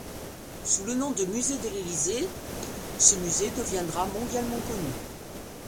Sous le nom de Musée de l'Élysée, ce musée deviendra mondialement connu.